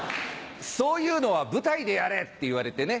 「そういうのは舞台でやれ」って言われてね。